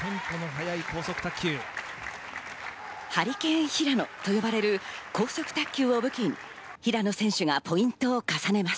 ハリケーン・ヒラノと呼ばれる高速卓球を武器に平野選手がポイントを重ねます。